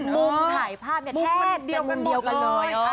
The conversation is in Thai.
มุมถ่ายภาพเนี่ยมุมเดียวกันเลย